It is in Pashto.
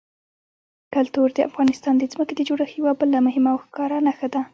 کلتور د افغانستان د ځمکې د جوړښت یوه بله مهمه او ښکاره نښه ده.